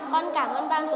con cảm ơn bàn tổ chức